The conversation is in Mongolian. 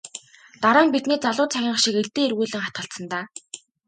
Дараа нь бидний залуу цагийнх шиг илдээ эргүүлэн хатгалцсан даа.